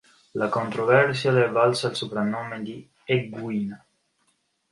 La controversia le è valsa il soprannome di "Eggwina".